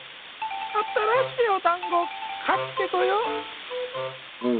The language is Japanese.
あたらしいおだんごかってこよ。